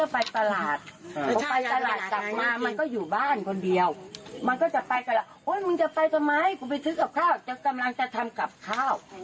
ไปสมัยกูไปซื้อกับข้าวเจอกำลังจะทำกลับข้าว